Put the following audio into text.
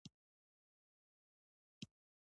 ځنګل د طبیعت ښکلی نعمت دی.